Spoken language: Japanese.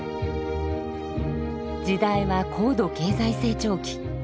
時代は高度経済成長期。